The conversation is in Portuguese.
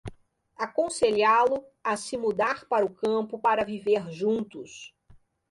Aconselhá-lo a se mudar para o campo para viver juntos